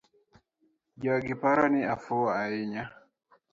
Jogiparo ni afuwo ainya.